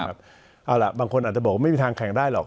เอาล่ะบางคนอาจจะบอกว่าไม่มีทางแข่งได้หรอก